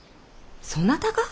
そなたが？